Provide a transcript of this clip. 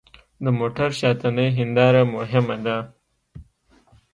د موټر شاتنۍ هېنداره مهمه ده.